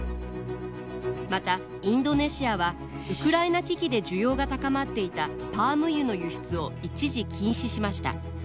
またインドネシアはウクライナ危機で需要が高まっていたパーム油の輸出を一時禁止しました。